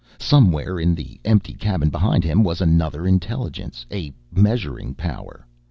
Somewhere in the empty cabin behind him was another intelligence, a measuring power.